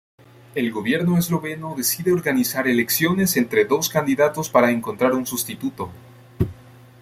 El gobierno esloveno decide organizar elecciones entre dos candidatos para encontrar un sustituto.